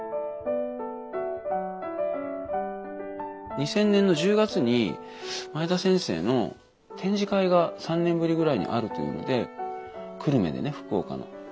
２０００年の１０月に前田先生の展示会が３年ぶりぐらいにあるというので久留米でね福岡の。